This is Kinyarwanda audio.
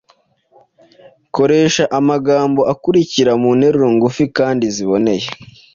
Koresha amagambo akurikira mu nteruro ngufi kandi ziboneye